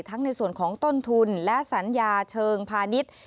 ในส่วนของต้นทุนและสัญญาเชิงพาณิชย์